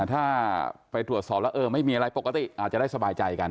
ถ้าไปตรวจสอบแล้วเออไม่มีอะไรปกติอาจจะได้สบายใจกัน